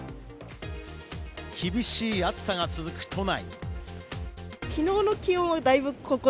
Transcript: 厳しい暑さが続く都内。